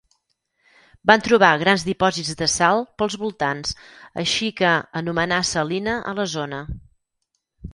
Van trobar grans dipòsits de sal pels voltants així que anomenar "Salina" a la zona.